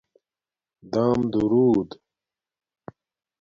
دام دݸرود